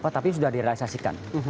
tapi sudah direalisasikan